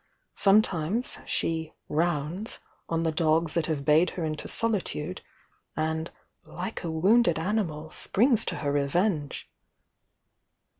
— sometimes she 'rounds' on the dogs that have bayed her into soli tude, and, like a wounded animal, springs to her re venge!"